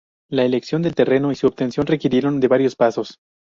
La elección del terreno y su obtención requirieron de varios pasos.